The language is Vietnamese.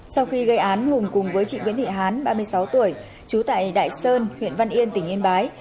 sau khi gây án hùng cùng với chị nguyễn thị hán ba mươi sáu tuổi trú tại đại sơn huyện văn yên tỉnh yên bái